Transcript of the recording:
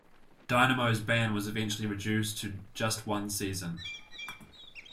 Dynamo's ban was eventually reduced to just one season.